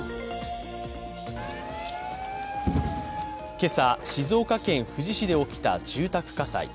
今朝、静岡県富士市で起きた住宅火災。